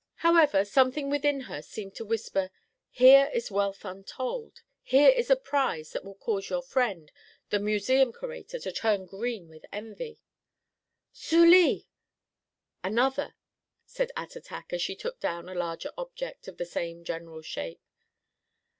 However, something within her seemed to whisper: "Here is wealth untold; here is a prize that will cause your friend, the museum curator, to turn green with envy." "Sulee!" (another), said Attatak, as she took down a larger object of the same general shape.